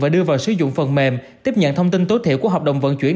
và đưa vào sử dụng phần mềm tiếp nhận thông tin tối thiểu của hợp đồng vận chuyển